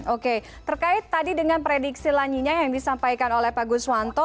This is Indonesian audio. oke terkait tadi dengan prediksi lanyinya yang disampaikan oleh pak guswanto